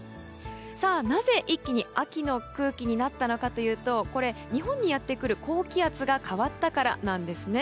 なぜ一気に秋の空気になったのかというと日本にやってくる高気圧が変わったからなんですね。